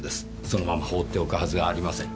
そのまま放っておくはずがありません。